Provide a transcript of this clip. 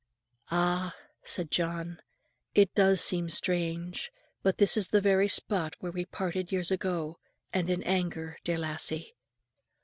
"Ah!" said John, "it does seem strange, but this is the very spot where we parted years ago, and in anger, dear lassie."